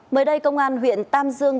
mới đây công an huyện tam dương